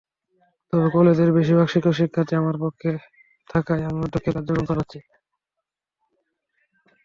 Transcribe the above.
তবে কলেজের বেশির ভাগ শিক্ষক-শিক্ষার্থী আমার পক্ষে থাকায় আমি অধ্যক্ষের কার্যক্রম চালাচ্ছি।